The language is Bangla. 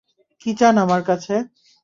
কী চান আমার কাছে?